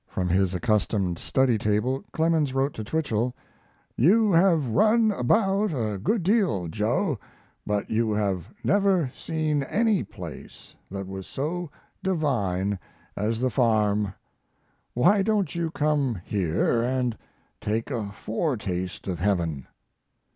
From his accustomed study table Clemens wrote to Twichell: "You have run about a good deal, Joe, but you have never seen any place that was so divine as the farm. Why don't you come here and take a foretaste of Heaven?"